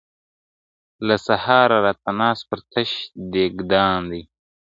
• له سهاره راته ناست پر تش دېګدان دي -